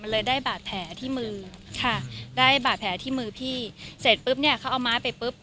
เลยได้บาดแผลที่มือค่ะได้บาดแผลที่มือพี่เสร็จปุ๊บเนี่ยเขาเอาไม้ไปปุ๊บ